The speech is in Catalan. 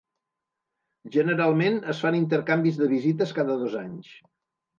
Generalment es fan intercanvis de visites cada dos anys.